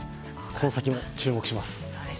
この先も注目します。